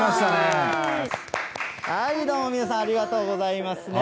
どうも、皆さん、ありがとうございますね。